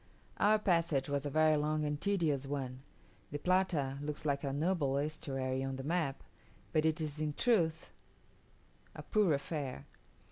Our passage was a very long and tedious one. The Plata looks like a noble estuary on the map; but is in truth a poor affair.